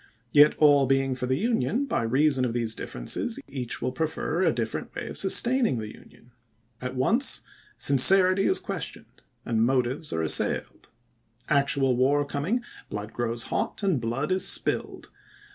Yet, all being for the Union, by reason of these differences each will prefer a different way of sustaining the Union. At once sincerity is questioned, and motives are assailed. Actual war coming, blood grows hot, and blood is spilled.